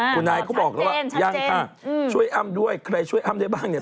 คุณนายก็บอกแล้วว่ายังค่ะช่วยอ้ำด้วยใครช่วยอ้ำได้บ้างเนี่ย